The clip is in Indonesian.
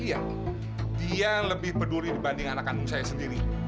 iya dia lebih peduli dibanding anak kandung saya sendiri